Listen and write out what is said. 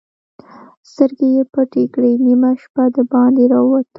سترګې يې پټې کړې، نيمه شپه د باندې را ووت.